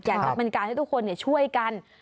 อยากจะเป็นการให้ทุกคนช่วยกัน